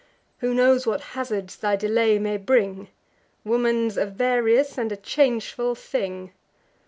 Who knows what hazards thy delay may bring? Woman's a various and a changeful thing."